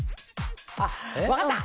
あっ分かった！